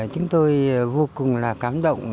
chúng tôi vô cùng là cảm động